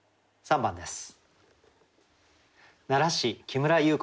３番です。